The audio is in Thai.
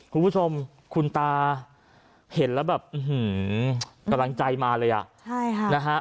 คุณผู้ชมคุณตาเห็นแล้วแบบกำลังใจมาเลยอะ